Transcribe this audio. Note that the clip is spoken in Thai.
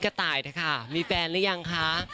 กระต่ายนะคะมีแฟนหรือยังคะ